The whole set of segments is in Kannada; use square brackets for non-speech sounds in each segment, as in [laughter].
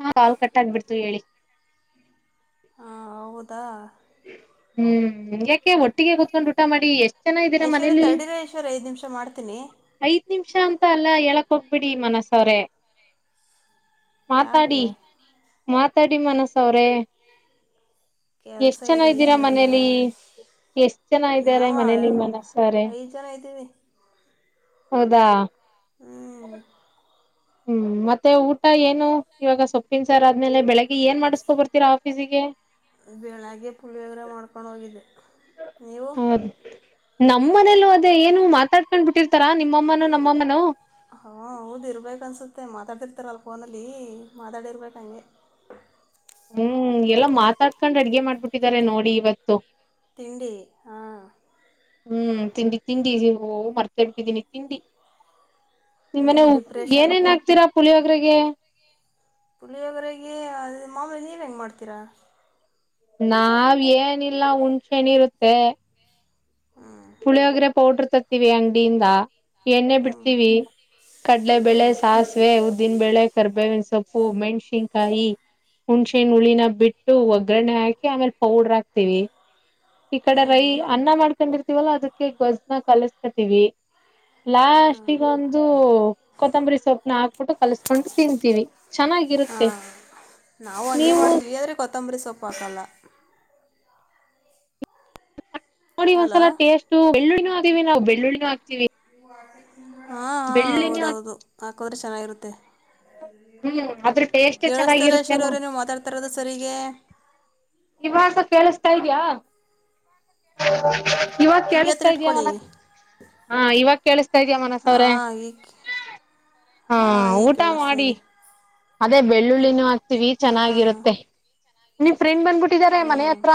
ಹಾ ಕಾಲ್ ಕಟ್ಟಾಗಿಬಿಡ್ತವಿ ಹೇಳಿ ಹಾ ಹೌದಾ ಹ್ಮ್ ಒಟ್ಟಿಗೆ ಕುತ್ಕೊಂಡು ಊಟ ಮಾಡಿ ಎಷ್ಟ್ ಜನ ಇದ್ದೀರಾ ಐಶ್ವರ್ಯ ಮನೇಲಿ ತಡೀರಿ ಐಶ್ವರ್ಯ ಐದು ನಿಮಿಷ ಮಾಡ್ತೀನಿ ಐದ ನಿಮಿಷ ಮತ್ತ ಅಲ್ಲಾ ಎಳಕ್ ಹೋಗ್ಬಿಡಿ ಮನಸ್ಸವ್ರೆ ಮಾತಾಡಿ ಯಾಕೆ ಮಾ ಮಾತ್ತಡಿ ಮನಸ ಅವ್ರೇ ಕೆಲಸ ಎಷ್ಟ್ ಚನ ಇದೆ ಇದ್ದೀರಾ ಐಶ್ವರ್ಯ ಮನೇಲಿ ಎಷ್ಟ ಜನ ಇದ್ದಾರೆ ನಾವ ಮನೇಲಿ ಮನಸಾರೆ ಐದು ಜನ ಇದ್ದೀವಿ ಹೌದಾ ಹ್ಮ್ ಹ್ಮ್ ಮತ್ತೆ ಊಟ ಏನು ಇವಾಗ ಸೊಪ್ಪಿನ ಸಾರ್ ಆದ್ಮೇಲೆ ಬೆಳಿಗ್ಗೆ ಏನ್ ಮಾಡಸ್ಕೊ ಬರ್ತೀರಾ ಆಫೀಸಿಗೆ ಬೆಳಗ್ಗೆ ಪುಲ್ಳಿಯೋಗರ ಮಾಡ್ಕೊಂಡು ಹೋಗಿದ್ದೆ ನೀವು ನಮ್ಮ ಮನೇಲ್ಲೂ ಅದೇ ಏನು ಮಾತಾಡ್ಕೊಂಡ್ ಬಿಟ್ಟಿರ್ತಾರಾ ನಿಮ್ಮಮ್ಮನ ನಮ್ಮಮ್ಮನು ಹ ಹೌದ ಇರ್ಬೇಕಕ್ ಅನ್ಸುತ್ತೆ ಮಾತಾಡ್ ಇರ್ತಾರ ಅಲ್ ಫೋನಲ್ಲಿ ಮಾತಾಡಿರ್ಬೇಕು ಹಾಗಂಗೆ ಹ್ಮ್ ಎಲ್ಲಾ ಮಾತಾಡ್ಕೊಂಡ್ ಅಡ್ಗೆ ಮಾಡ್ಬಿಟ್ಟಿದ್ದಾರೆ ನೋಡಿ ಇವತ್ತು ತಿಂಡಿ ಹಾ ಹ್ಮ್ ತಿಂಡಿ ತಿಂಡಿ ಹ ಮರ್ತೇ ಬಿಟ್ಟಿದ್ದೀನಿ ತಿಂಡಿ ನೀವು ನಿಮ್ಮ್ನೆ ಡಿಪ್ರೆಷನ್ ಏನೇನ್ ಹಾಕ್ತೀರಾ ಪುಳಿಯೊೋಗ್ರಗೆ ಪುಳಿಯೊೋಗರೆರಿಗೆ ಅದು ಮಾಮೂಲಿ ನೀವು ಹೆಂಗೆ ಮಾಡ್ತೀರಾ [unintelligible] ನಾವ್ ಏನಿಲ್ಲ ಹುಣಸೆನ ಇರುತ್ತೆ ಹ್ಞೂ ಪುಳಿಯೋಗ್ರ ಪೌಡ್ರ ತತ್ತೀವಿ ಅಂಗಡಿಯಿಂದ. ಎಣ್ಣೇ ಹ್ಞೂ ಬಿಡ್ತೀವಿ ಕಡಲೆ ಹ್ಞೂ ಬೆಳೆ ಸಾಸಿವೆ ಉದ್ದ ಉದ್ದಿನ ಬೇಳೆ ಕರ್ಬೇವಿನ ಸೊಪ್ಪು ಮೆಣ್ಸಿನ್ಕಾಯಿ ಹುಣ್ಸೆನ್ ಹುಳಿನ ಬಿಟ್ಟು ಒಗ್ಗರಣೆ ಹಾಕಿ ಆಮೇಲೆ ಪೌಡ್ರ ಹಾಕ್ತೇವಿ ಈ ಕಡೆ ಹ್ಞೂ ರೈ ಹ್ಞೂ ಅನ್ನ ಮಾಡ್ಕೊಂಡಿರ್ತ ವಲ್ಲ ಅದಕ್ಕೆ ಗೊಜ್ನ ಕಲಸ್ಕತಿ ವಿ ಹಾಂ ಲಾಸ್ಟ್ ಈಗೊಂದು ಕೊತ್ತಂಬರಿ ಸೊಪ್ನ ಹಾಕ್ಬಿಟ್ಟು ಕಲಸ್ಕೊಂಡು ತಿಂತೀವಿ ಚೆನ್ನಾಗಿರುತ್ತೆ ಹಾಂ ನಾವು ಹಂಗೆ ನೀವು ಮಾಡ್ತೀವಿ ಆದರೆ ಕೊತ್ತಂಬರಿ ಸೊಪ್ಪಾಕಲ್ಲ ನೋಡಿ ಹಲೋ ಒಂದ್ಲ ಟೇಸ್ಟ್ ಬೆಳ್ಳುಳ್ಳಿ ವಿ ನಾವು ಬೆಳ್ಳಿ ಹಕ್ತೀವಿ ನೀ [unintelligible] ಬೆಳ್ಳಿನಿ ಹಾಕೋದ್ರೆ ಚೆನ್ನಾಗಿರುತ್ತೆ ಹ್ಮ್ ಅದ್ರ ಟೇಸ್ಟೇ ಕೇಳ್ತಲ್ಲ ಈಶ್ವರಯ ಚೆನ್ನಾಗಿರುತ್ತೆಮ್ಮ ಅವರೇನು ಮಾತಾಡ್ತಾರದು ಸರಿಗೆ ಇವಾಗ ಕೇಳಿಸತಾ ಇದ್ಯಾ. ಇವಾಗ ಕಿವಿ ಕೇಳಿಸ್ತಾ ಹತ್ರ ಇದ್ಯ ಇಟ್ಕೊಳ್ಳಿ ಮನ ಹಾ ಇವಾಗ ಕೇಳಿಸ್ತಾ ಇದ್ಯ ಮನಸ ಅವ್ರೆ ಹಾಂ ಈಗ ಹಾ ಹಾಂ ಈಗ ಊಟ ಕೇಳಿಸ್ತಾ ಮಾಡಿ. ಇದೆ ಅದೇ ಬೆಳ್ಳುಳ್ಳಿನ ಹಾಂ ಚೆನ್ನಾಗಿರುತ್ತೆ ನೀ ಫ್ರೆಂಡ್ ಬನ್ ಬಿಟ್ಟಿದ್ದಾರೆ ಹ್ಞೂ ಮನೆ ಹತ್ರ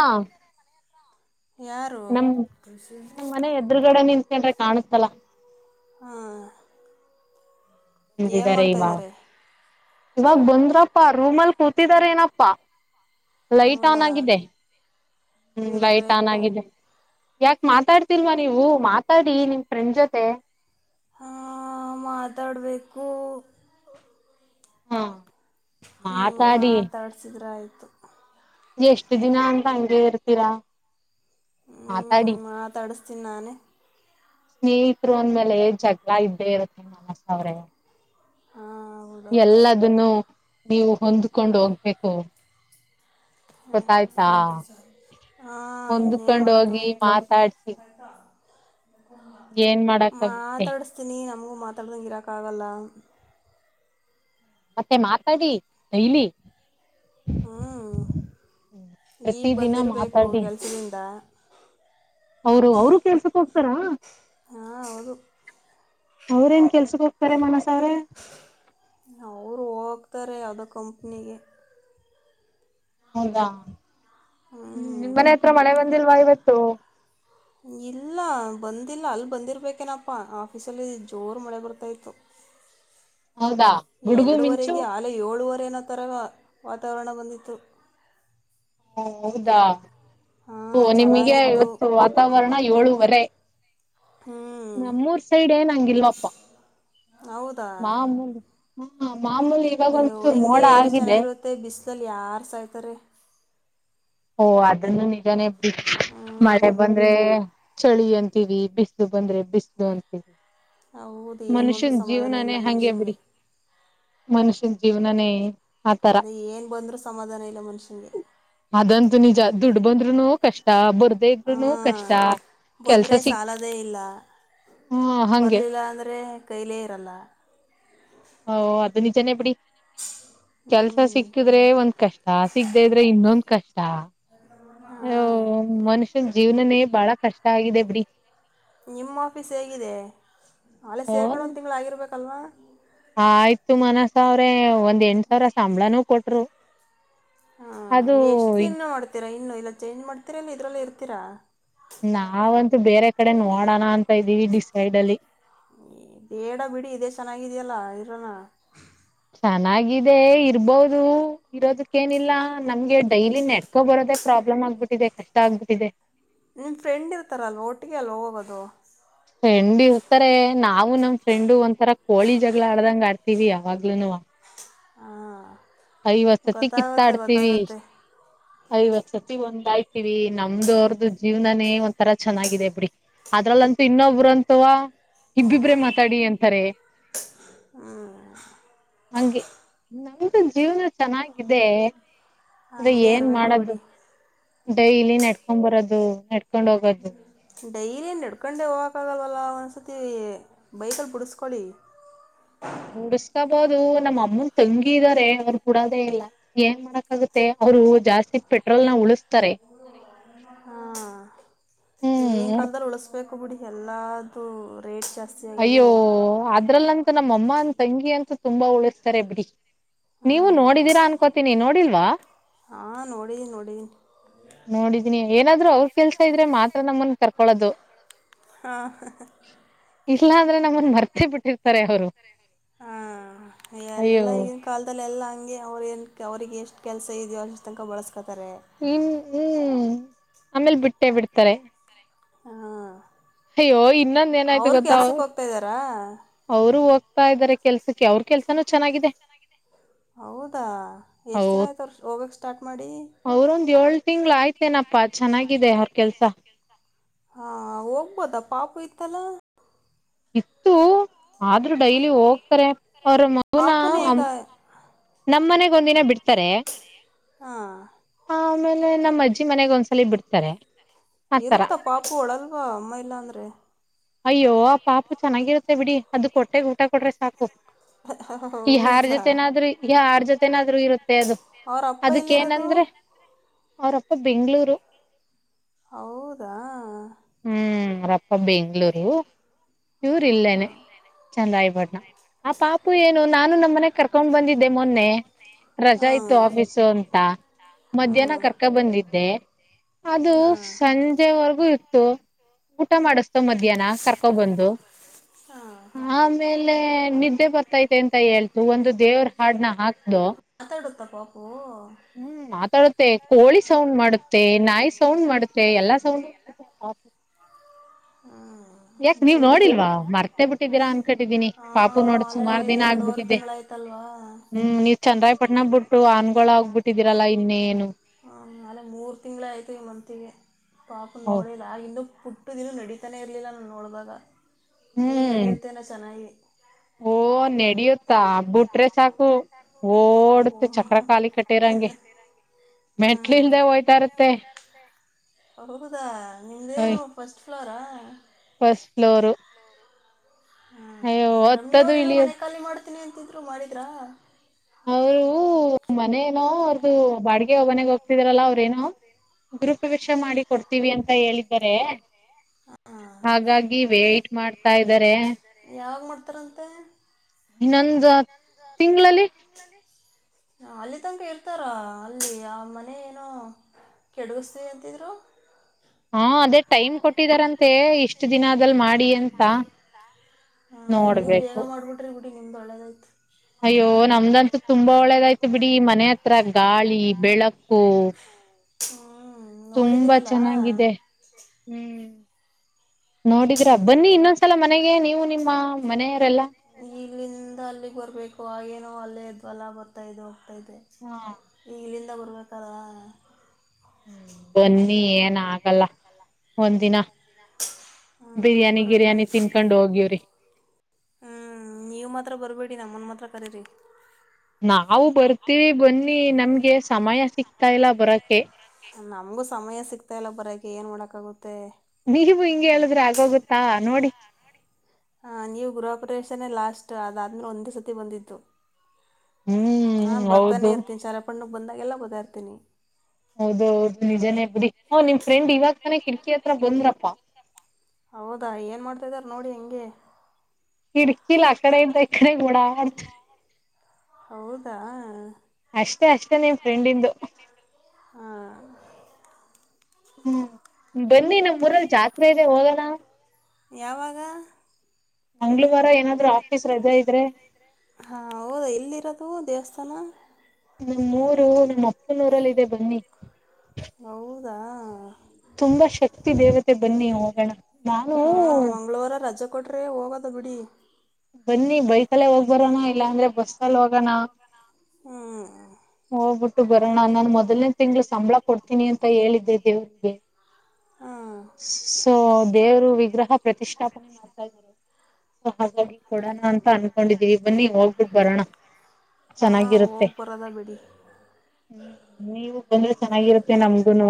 ಯಾರು ನಮ್ ನಮ್ ಮನೆ ಎದುರುಗಡೆ ನಿ [unintelligible] ಕಾಣಿಸ್ತಲ್ಲಾ ಹ್ಮ ಏನ್ ಮಾಡ್ತಾ ಇದ್ದಾರೆ ಇವಾಗ್ ಬಂದ್ರಪ್ಪಾ ರೂಮ್ ಅಲ್ ಕೂತಿದಾರೆನಪ್ಪಾ. ಲೈಟ್ ಆನ್ ಹೌದಾ ಆಗಿದೆ. ಹ್ಮ್ ಬೈಟ್ ಆನ್ ಇರಬೇಕು ಆಗಿದೆ. ಯಾಕ್ ಮಾತಾಡ್ತಿಲ್ವಾ ನೀವು ಮಾತಾಡಿ ನಿಮ್ ಫ್ರೆಂಡ್ ಜೊತೆ. ಹಾ ಮಾತಾಡ್ಬೇಕು. ಹ ಹ್ಮ್ ಮಾತಾಡ್ಸಿದ್ರ ಆಯ್ ತ್ತು ಎಷ್ಟ ದಿನ ಅಂತ ಹಂಗೆ ಇರ್ತೀರಾ, ಮಾತಾಡಿ ಹ್ಮ್ ಮಾತಾಡ್ಸ್ತೀನ್ ನಾನೇ. ಸ್ನೇಹಿತರು ಅಂದ್ಮೇಲೆ ಜಗಳ ಇದ್ದೇ ಇರುತ್ತೆ ಮನಸ ಅವ್ರೆ. ಹಾಂ ಹೌದೌದು ಎಲ್ಲದುನ್ನು ನೀವು ಹೊಂದ್ಕೊಂಡು ಹೋಗ್ಬೇಕು. ಹ ಗೊತ್ತಾಯ್ತಾ ಹಾ ಇನ್ನೇನ್ ಹೊಂದ್ಕೊಂಡ್ ಮಾಡದು ಹೋಗಿ ಮಾತಾಡ್ಸಿ ಏನ್ ಮಾಡಕ್ಗುತ್ತೆ ಮಾತಾಡ್ಸ್ತೀನಿ ನಮಗ್ ಮಾತಾಡ್ದಂಗ್ ಇರೋಕ್ ಆಗಲ್ಲ. ಮತ್ತೆ ಮಾತಾಡಿ ಡೈಲಿ ಹ್ಮ್ ಪ್ರತಿ ಈಗ್ ದಿನ ಬಂದಿರ್ಬೇಕು ಮಾತಾಡಿ ಕೆಲ್ಸದಿಂದ ಅವರು ಅವ್ರು ಕೆಲ್ಸಕ್ ಹೋಗ್ತಾರಾ? ಹಾ ಹೌದು. ಅವ್ರೇನ್ ಕೆಲ್ಸಕ್ ಹೋಗ್ತಾರೆ ಮಾನಸ್ ಅವ್ರು ಹೋಗ್ ತಾರೆ ಯಾವ್ದೋ ಕಂಪ್ನಿಗೆ. ಹೌದಾ ಹ್ಮ್ ಹ್ಞೂ ನಿಮ್ಮನೆ ಹತ್ರ ಮಳೆ ಬನ್ ದಿಲ್ವಾ ಇವತ್ತು. ಇಲ್ಲ ಬಂದಿಲ್ಲ ಅಲ್ ಬಂದಿರ್ಬೇಕೇನಪ್ಪ ಆಫೀಸಲ್ಲಿ ಜೋರು ಮಳೆ ಬರ್ತಾ ಇತ್ತು. ಹೌದಾ ಗುಡುಗು ಮಿಂಚು ಏನೋ ತರ ದ ವಾತಾವರಣ ಬಂದಿತ್ತು. ಹಾ ಹೌದಾ ಹಾಂ ಓ ನಿಮಗೆ ಚೆನ್ನಾಗಿತ್ತು ಇವತ್ತು ವಾತಾವರಣ ಏಳುವರೆ ಹ್ಞೂ ನಮ್ಮೂರ್ ಸೈಡ್ ಏನಂಗಿಲ್ಲಪ್ಪ ಹೌದಾ ಮಾಮೂಲಿ ಹಾ ಮಾಮೂಲಿ ಇವಾಗ ಅಯ್ಯೋ ಒಂದ್ ಚುರ್ ಮೋಡ ಹಿಂಗೆ ಇದ್ರೆ ಆಗಿದೆ. ಚೆನ್ನಾಗಿರುತ್ತೆ ಬಿಸಿಲಲ್ಲಿ ಯಾರು ಸಾಯ್ತಾರೆ ಓ ಅದನ್ನು ನಿಜನೇ ಡಿ ಹ್ಞೂ ಮಳೆ ಬಂದ್ರೆ ಚಳಿ ಅಂತೀವಿ ಬಿಸ್ಲು ಬಂದ್ರೆ ಬಿಸಲು ಅಂತೀ ಹೌದು ಏನು ಬಂದರೂ ಮನುಷ್ಯನ್ ಸಮಾಧಾನ ಜೀವನಾನೇ ಇಲ್ಲ ಹಂಗೆ ಮನುಷ್ಯನಿಗೆ ಬಿಡಿ ಮನುಷ್ಯನ್ ಜೀವನಾನೇ ಆತರ ಅದೇ ಏನು ಬಂದರೂ ಸಮಾಧಾನ ಇಲ್ಲ ಮನುಷ್ಯಂಗೆ. ಅದಂತೂ ನಿಜ ದುಡ್ ಬಂದ್ರುನು ಕಷ್ಟ ಬ ಹಾ ಬಂದರೆ ಸಿಕ್ ಸಾಲದೇ ಇಲ್ಲ ಹ್ಮ ಹಂಗೆ ಬರಲಿಲ್ಲ ಅಂದರೆ ಕೈಲೇ ಇರಲ್ಲ. ಹೊ ಅದು ನಿಜನೆ ಬಿಡಿ. ಕೆಲ್ಸ ಹ್ಞೂ ಸಿಕ್ಕಿದ್ರೆ ಒಂದ್ ಕಷ್ಟ ಸಿಗದೆ ಇದ್ರೆ ಇನ್ನೊಂದ್ ಕಷ್ಟ ಹಾಂ ಶನ್ ಜೀವನನೇ ಬಹಳ ಕಷ್ಟ ಆಗಿದೆ ಬಿಡಿ. ನಿಮ್ಮ ಆಫೀಸ್ ಹೇಗಿದೆ ಅಳೆ ಸೇರ್ಕೊಂಡ್ ಒಂದ್ ತಿಂಗಳು ಆಗಿರ್ಬೇಕಲ್ವಾ? ಹ ಆಯ್ತು ಮನಸ ಅವ್ರೆ ಒಂದ್ ಎಂಟ ಸಾವಿರ ಸಂಬಳನೂ ಕೊಟ್ರು. ಹಾ ಅದು ಎಷ್ಟ್ ದಿನ ಮಾಡ್ತೀರಾ ಇನ್ನು ಇಲ್ಲ ಚೇಂಜ್ ಮಾಡ್ತೀರಾ ಇಲ್ಲ ಇದ್ರಲ್ಲೇ ಇರ್ತೀರ. ನಾವಂತೂ ಬೇರೆ ಕಡೆ ನೋಡೋಣ ಅಂತ ಇದ್ದೀವಿ ಡಿಸೈಡ್ ಅಲ್ಲಿ ಬೇಡ ಬಿಡಿ ಇದೇ ಚೆನ್ನಾಗಿದ್ಯಲ್ಲ ಇರನ. ಚೆನ್ನಾಗಿದೆ ಇರ್ಬೋದು ಇರೋದುಕ್ಕೇನಿಲ್ಲ ನಮ್ಗೆ ಡೈಲಿ ನೆಡ್ಕೋ ಬರೋದೆ ಪ್ರಾಬ್ಲಮ್ ಆಗ್ಬಿಟ್ಟಿದೆ ಕಷ್ಟ ಆಗ್ಬಿಟ್ಟಿದೆ. ನಿಮ್ ಫ್ರೆಂಡ್ ಇರ್ತಾರಲ್ವಾ ಒಟ್ಟಿಗೆ ಅಲ್ಲ ಹೋಗೋದು. ಫ್ರೆಂಡ್ ಇರ್ತಾರೆ ನಾವು ನಮ್ ಫ್ರೆಂಡ್ ಒಂಥರ ಕೋಳಿ ಜಗಳ ಆಡ್ದಂಗ ಆಡ್ತಿವಿ ಯಾವಾಗ್ಲೂನುವ ಹಾ ಐವತ್ ಸತಿ ಕಿತ್ತಾಡ್ತೀವಿ ಐವತ್ ಸತಿ ಒಂದಾಯ್ ತಿವಿ ನಮ್ದ ಅವ್ರದು ಜೀವನನೇ ಒಂತರ ಚೆನ್ನಾಗಿದೆ ಬಿಡಿ. ಅದ್ರಲ್ಲಂತೂ ಇನ್ನೊಬ್ರಂತೂ ಇಬ್ಬಿಬ್ರೇ ಮಾತಾಡಿ ಅಂತಾರೆ ಹಂಗೆ ನಮ್ ಜೀವನ ಚೆನ್ನಾಗಿದೆ ಅದೆ ಹಾಗೆ ಏನ್ ಇರಬೇಕು ಮಾಡದು. ಬಿಡಿ ಡೈಲಿ ನಡ್ಕೊಂಡ್ ಬರದು ನೆಡ್ಕೊಂಡ್ ಹೋಗೋದು ಡೈಲಿ ನಡ್ಕೊಂಡೆ ಹೋಗಕ್ಕಾಗಲ್ವಲ್ಲ ಒನ್ನೊಂದ್ ಸತಿ ಬೈಕಲ್ ಬಿಡ್ಸ್ಕೊಳ್ಳಿ. ಉಡ್ಸ್ಕೊಬಹದು ನಮ್ಮ ಅಮ್ಮನ್ ತಂಗಿ ಇದಾರೆ ಅವ್ರ ಬುಡದೇ ಇಲ್ಲ ಏನ್ ಮಾಡಕಾಗುತ್ತೆ ಅವರು ಜಾಸ್ತಿ ಪೆಟ್ರೋಲ್ನ ಉಳಸ್ತಾರೆ. ಈಗಿನ್ ಕಾಲದಲ್ಲಿ ಉಳ್ಸ್ಬೇಕು. ಬಿಡಿ ಎಲ್ಲಾದುು ರೇಟ್ ಜಾ ಅಯ್ಯೋ ಅದ್ರಲ್ಲಂತ ನಮ್ಮ ಅಮ್ಮ ಅನ್ ತಂಗಿ ಅಂತ ತುಂಬಾ ಉಳಿಸ್ತಾರೆ ಬಿಡಿ ನೀವು ಹ್ಞೂ ನೋಡಿದೀರಾ ಅನ್ಕೋತೀನಿ ನೋಡಿಲ್ವಾ? ಹಾ ನೋಡಿದಿನ್ ನೋಡಿದಿನ್ ನೋಡಿದೀನಿ ಏನಾದ್ರು ಅವ್ರ ಕೆಲ್ಸ ಇದ್ರೆ ಮಾತ್ರ ನಮ್ಮನ್ ಕರ್ಕೊಳೋದು. ಹಾ ಹ್ಮ್ ಹ್ಮ್ ಇಲ್ಲ ಅಂದ್ರೆ ನಮ್ಮನ್ ಮರ್ತೆ ಬಿಟ್ಟಿರ್ತಾರೆ ಅವ್ರು. ಹಾ ಎಲ್ಲಾ ಈಗಿನ ಕಾಲ್ದಲ್ಲೇಲ್ಲ ಹಂಗೆ ಅವ್ರೆನ್ ಅವ್ರಿಗೆ ಎಷ್ಟ್ ಕೆಲ್ಸ ಇದೆಯೋ ಅಷ್ಟ ತಂಕ ಬಳಸ್ಕ ತರೆ ಇನ್ ಹ್ಮ್ ಆಮೇಲ್ ಬಿಟ್ಟೆ ಬಿಡ್ತಾರೆ. ಹಾಂ ಅಯ್ಯೋ ಇನ್ನೊಂದ್ ಏನಾಯ್ತು ಅವ್ರು ಗೊತ್ತಾ ಕೆಲ್ಸಕ್ಕೆ ಹೋಗ್ತಾಯಿದ್ದಾರಾ ಅವ್ರು ಹೋಗ್ತಾ ಇದಾರೆ. ಕೆಲ್ಸಕ್ಕೆ ಅವ್ರ ಕೆಲ್ಸನೂ ಚೆನ್ನಾಗಿದೆ. ಹೌದಾ ಎಷ್ಟ್ ದಿನ ಹೌದ್ ಆಯ್ತ ಅವ್ರು ಹೋಗಕ್ ಮಾಡಿ? ತಿಂಗ್ಳ್ ಆಯ್ತೇನಪ್ಪಾ ಚೆನ್ನಾಗಿದೆ ಅವ್ರ್ ಕೆಲಸ. ಹಾ ಹೋಗ್ಬೋದ ಪಾಪು ಇತ್ತಲ್ಲ ಇತ್ತು ಆದ್ರೂ ಡೈಲಿ ಹೋಗ್ತಾರೆ. ಅವ್ರ್ ಮಗುನ ಪಾಪುನೇ ಅ ಈಗ ನಮ್ ಮನೆಗ್ ಒಂದಿನ ಬಿಡ್ತಾರೆ ಹಾ ಆಮೇಲೆ ನಮ್ಮ್ ಅಜ್ಜಿ ಮನೆಗ್ ಒಂದ್ಸಲಿ ಬಿಡ್ತಾರೆ. ಆತರ ಇರುತ್ತ ಪಾಪು ಅಳಲ್ವಾ ಅಮ್ಮ ಇಲ್ಲ ಅಂದ್ರೆ? ಅಯ್ಯೋ ಆ ಪಾಪು ಚೆನ್ನಾಗಿರುತ್ತೆ ಬಿಡಿ ಅದುಕ್ ಹೊಟ್ಟೆಗ್ ಊಟ ಕೊಡ್ರೆ ಸಾಕು. ಈ ಯಾರ್ ಹೌದಾ ಜೊತೆನಾದ್ರೂ ಯಾರ ಜೊ ತೆನಾದ್ರೂ ಇರು ತ್ತೆ ಅದು ಅವ್ರ ಅಪ್ಪ ಎಲ್ಲಿರೋದು ಅದುಕ್ಕೇನಂದ್ರೆ ಅವ್ರಪ್ಪ ಬೆಂಗ್ಳೂರು. ಹೌದಾ ಹ್ಮ್ ಅವ್ರಪ್ಪ ಬೆ ಇವ್ರ್ ಇಲ್ಲೇನೆ ಚಂದ ಅಯ್ ಪಟ್ನ ಆ ಪಾಪು ಏನು ನಾನು ನಮ್ ಮನೆಗ್ ಕರ್ಕೊಂಡ್ ಬಂದಿದ್ದೆ ಮೊನ್ನೆ ಹಾ ರಜಾ ಇತ್ತು ಆಫೀಸು ಅಂತ ಹ್ಮ ಮಧ್ಯಾಹ್ನ ಕರ್ಕ ಬಂದಿದ್ದೆ ಅದು ಹಾ ಸಂಜೆವರ್ ಗು ಇತ್ತು ಊಟ ಮಾಡುಸ್ದು ಮ ಧ್ಯಾನ ಕರ್ಕೊ ಬಂದು ಹಾ ಆಮೇಲ್ ಮೇಲೆ ನಿದ್ದೆ ಬರ್ ತೈತೆ ಅಂತ ಹೇಳ್ತು ಒಂದು ದೇವ್ರ ಹಾಡ್ನ ಹಾಕ್ದು ತ ಪಾಪು? ಹ್ಮ್ ಮಾತಾಡುತ್ತೆ ಕೋಳಿ ಸೌಂಡ್ ಮಾಡುತ್ತೆ ನಾಯಿ ಸೌಂಡ್ ಮಾಡುತ್ತೆ ಎಲ್ಲಾ ಸೌಂಡ್ ಆ ಯಾಕ ಹ್ಮ್ ನೀವ್ ಬಿಡಿ ನೋಡಿಲ್ವಾ ಮರ್ತೆ ಬಿಟ್ಟಿದ್ದೀರಾ ಅನ್ಕಟ್ಟಿದೀನಿ ಹಾ ಪಾಪು ನೋಡ್ ಅಲ್ಲೇ ಸುಮಾರ್ ದಿನ ಎರಡುವರೆ ಆಗ್ಬಿಟ್ಟಿದ್ದೆ ತಿಂಗಳಾಯ್ತಲ್ವಾ ಹ್ಮ್ ನೀವ್ ಚೆನ್ನರಾಯ್ ಪಟ್ನ ಬುಟ್ಟು ಆನ್ಗೊಳ್ ಆಗ್ಬಿಟ್ಟಿದೀರಲ್ಲ ಇನ್ನೇನು. ಆ ಆಲೆ ಮೂರು ತಿಂಗಳೇ ಆಯ್ತು ಈ ಮಂತಿಗೆ ಪಾಪುನ್ ಓ ನೋಡೇ ಇಲ್ಲ ಆ ಇನ್ನೂ ಪುಟ್ಟು ದಿನ್ನು ನಡೀತಾನೆ ಇರ್ಲಿಲ್ಲ ನಾನ್ ನೋಡ್ದಾಗ. ಈಗ ಹ್ಮ್ ನಡೆಯುತ್ತೆನ ಚೆನ್ನಾಗಿ ಓ [unintelligible] ಬಿಟ್ರೆ ಸಾಕು ಓ ಓಡುತ್ತೆ ಚಕ್ರ ಖಾಲಿ ಕಟ್ಟಿರಂಗೆ ಮೆಟ್ಟಿಳಿದು ಹೋಯ್ತಾ ಇರುತ್ತೆ ಹೌದ ನಿಮೆ ಅಯ್ ಫಸ್ಟ್ ಪ್ಲೋರಾ ಫಸ್ಟ್ ಫ್ಲೋರು ಅಯ್ಯೋ ಹ್ಮ್ ಹತ್ತದು ರಮ್ಯಾಯವ್ರ ಏನೋ ಮನೆ ಇಳಿಯದು ಖಾಲಿ ಮಾಡ ತನಿ [unintelligible] ಮಾಡಿದ್ರಾ ಅವರು ಮನೇನೋ ಅವ್ರ್ದ ಬಾಡಿಗೆ ಮನೆಗೆ ಹೋಗ್ತಿದ್ರಲ್ಲ ಅವ್ರೇನೋ ಗುರುಪ್ರವೇಶ ಮಾಡಿ ಕೊಡ್ತ ಅಂತ ಹೇಳಿದ್ದಾರೆ ಹಾಂ ಹಾಗಾಗಿ ವೇಟ್ ಮಾಡ್ತಾ ಇದ್ದಾರೆ ರಂತೆ ಇನ್ನೊಂದು ತಿಂಗಳಲ್ಲಿ ಅಲ್ಲಿ ತನಕ ಇರ್ತಾರ ಅಲ್ಲಿ ಆ ಮನೆ ಏನೋ ಕೆಡಗಿಸ್ತವಿ ಅಂತಿದ್ರು ಹಾ ಅದೇ ಟೈಮ್ ಕೊಟ್ಟಿದಾರಂತೆ ಇಷ್ಟ ದಿನಲ್ ಮಾಡಿ ಅಂತ ನೋಡ್ಬೇಕು ಅಡಿ ಬಳದತ್ತೆ [unintelligible] ಅಯ್ಯೋ ನಮ್ದನ್ ತುಂಬಾ ಒಳ್ಳೇದಾಯ್ತು ಬಿಡಿ ಮನೆ ಹತ್ರ ಗಾಳಿ ಬೆಳಕು ಹ್ಮ [inaudible] ತುಂಬಾ ಚೆನ್ನಾಗಿದೆ ಹ್ಮ್ ನೋಡಿದ್ರಾ ಬನ್ನಿ ಇನ್ನೊಂದ್ಸಲ ಮನೆಗೆ ನೀವು ನಿಮ್ಮ ಮನೆಯವರೆಲ್ಲಾ [inaudible] ಈಲ್ಲಿಂದ ಅಲ್ಲಿಗ್ ಬರ್ಬೇಕು ಆಗೆನೋ ಅಲ್ಲೇ ಇದಲ್ಲ ಬರ್ತಾ ಇದು ತದೆ ಹಾ ಈ [inaudible] [unintelligible] ಬರ್ಬೇಕ ತರ [unintelligible] ಹ್ಮ್ ಬನ್ನಿ ಏನ್ ಆಗಲ್ಲ ಒಂದಿನ ಹಾಂ ಬಿರಿಯಾನಿ ಗಿರಿ್ಯಾನಿ ಬರಬೇಕು ತಿನ್ಕೊಂಡು ಹೋಗ್ಯಿವ್ರಿ ಬಿ ನಮ್ಮನ್ ಮಾತ್ರ ಕರಿ ರೀ ನಾವು ಬರ್ತೀವಿ ಬನ್ನಿ ನಮ್ಗೆ ಸಮಯ ಸಿಕ್ತಾ ಇಲ್ಲ ಬರೋಕೆ ನಮಗೂ ಸಮಯ ಸಿಗ್ತಾ ಇಲ್ಲ ಬರೋಕ್ಕೆ ಏನ್ ಮಾಡಕ್ಕ ಆಗುತ್ತೆ ನೀವು ಹಿಂಗಗೆ ಹೇಳುದ್ರೆ ಆಗೋಗುತ್ತಾ ನೋಡಿ. ಹ ನೀವು ಗೃಹಪ್ರವೇಶನೆ ಲಾಸ್ಟ್ ಅದಾದ್ಮಲೆ ಒಂದೇ ಸರ್ತಿ ಬಂದಿತ್ತು ಹಾ ಹ್ಮ್ ಬರ್ತಾನೆ ಹೌದು ಇರ್ತೀನಿ [unintelligible] ಬಂದಾಗೆಲ್ಲ ಹೋಗತ್ತಾ ಇರ್ತೀನಿ ಹೌದ ಹೌದು ನಿಜನೇ ಬಿಡಿ ಹ ನಿಮ್ ಫ್ರೆಂಡ್ ಇವಾಗ ತಾನ ಕಿಟಕಿ ಹತ್ರ ಬಂದ್ರಪ್ಪಾ ಹೌದಾ ಏನ್ ಮಾಡತ್ತಿದಾರ ನೋಡಿ ಹಂಗೆ ಕಿಡ್ಕಿಲ ಆಕಡೆಂದ ಇಕಡೆ ಓಡಾಡ್ತು ಹೌದಾ ಅಷ್ಟೇ ಅಷ್ಟೇ ನಿಮ್ ಫ್ರೆಂಡಿಂದು ಹಾ ಹ್ಮ್ ಬನ್ನಿ ನಮೂಊರಲ್ಲಿ ಜಾತ್ರೆ ಇದೆ ಹೋಗೋಣ ಯಾವಾಗ ಮಂಗಳವಾರ ಏನಾದ್ರು ಆಫೀಸ್ ರಜೆ ಇದ್ರೆ ಹಾ ಹೌದಾ ಎಲ್ಲಿರೋದು ದೇವಸ್ಥಾನ ನಮ ಮೂರು ನಮ್ ಅಪ್ಪ ನೂರಲ್ಲಿ ಇದೆ ಬನ್ನಿ ದಾಹ ತುಂಬಾ ಶಕ್ತಿ ದೇವತೆ ಬನ್ನಿ ಹೋಗೋಣ ನಾನು ಹಾ ಮಂಗಳವಾರ ರಜಾ ಕೊಟ್ರೆ ಹೋಗೋದು ಬಿಡಿ ಬನ್ನಿ ಬೈಕಲ್ಲೇ ಹೋಗ್ ಬರೋಣ ಇಲ್ಲಾ ಅಂದ್ರೆ ಬಸ್ಸಲ್ಲಿ ಹೋಗಣ ಹ್ಮ್ ಹೋಗ್ಬಿಟ್ಟು ಬರೋಣ ನಾನು ಮೊದಲನೇ ತಿಂಳ ಸಂಬಳ ಕೊಡ್ತೀನಿ ಅಂತ ಹೇಳಿದ್ದೆ ದೇವರಿಗೆ ಹಾಂ ಸೊ ದೇವರು ವಿಗ್ರಹ ಪ್ರತಿಷ್ಠಾಪನೆ ಮಾಡ್ತಾ ಇದಾರೆ ಸೊ ಹಾಗಾಗಿ ಕೊಡೋಣ ಅಂತ ಅನ್ಕೊಂಡಿದ್ದೀವಿ ಬನ್ನಿ ಹೋಗ್ಬಿಟ್ಟು ಬರೋಣ ಹಾ ಚೆನ್ನಾಗಿರುತ್ತೆ ಹೋಗ್ ಬರೋದ ಬಿಡಿ ಹ್ಮ್ ನೀವು ಬಂದ್ರೆ ಚೆನ್ನಾಗಿರುತ್ತೆ ನಮಗುನು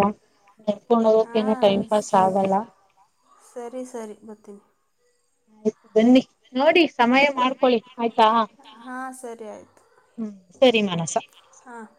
ನಡ್ಕೊಂಡ್ ಹೋಗದಕ ಏನ ಹಾಂ ಟೈಮ್ ಪಾಸ್ ಆಗಲ್ಲ ಸರಿ ಸರಿ ಬರ್ತೀನಿ ಆಯ್ತು ಬನ್ನಿ ನೋಡಿ ಸಮಯ ಮಾಡ್ಕೊೊಳ್ಳಿ ಆಯ್ತಾ ಹಾಂ ಸರಿ ಆಯಿತು ಹ್ಮ್ ಸರಿ ಮಾನಸ ಹಾಂ